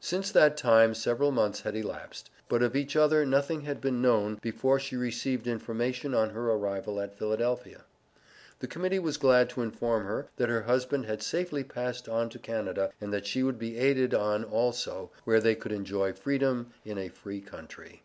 Since that time several months had elapsed, but of each other nothing had been known, before she received information on her arrival at Philadelphia. The Committee was glad to inform her, that her husband had safely passed on to Canada, and that she would be aided on also, where they could enjoy freedom in a free country.